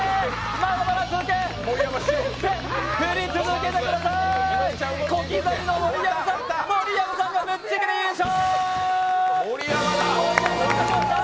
まだまだ続く、振り続けてください子刻みの盛山さん、盛山さんがぶっちぎりの優勝。